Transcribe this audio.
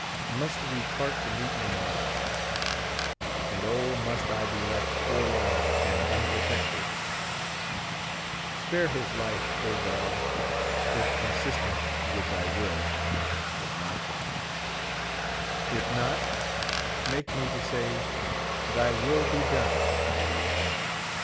Must we part to meep; no more ! And O, must I be left forlorn and unprotected ! Spare hi 47 life. O God, if consistent with thy will, was my cry ; if not, make me to sa\' :*' Thy will be done."